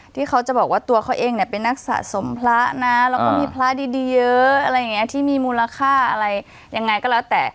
ที่เขาจะบอกว่าตัวเขาเองเนี่ยเป็นนักสะสมพระนะแล้วก็มีพระดีเยอะอะไรอย่างนี้ที่มีมูลค่าอะไรยังไงก็แล้วแต่